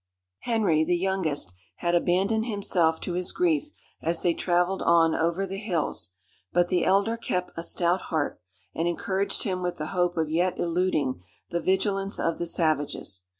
Henry, the youngest, had abandoned himself to his grief as they travelled on over the hills, but the elder kept a stout heart, and encouraged him with the hope of yet eluding the vigilance of the savages.